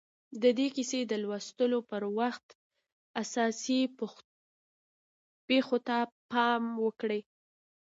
د دې کیسې د لوستلو پر وخت اساسي پېښو ته پام وکړئ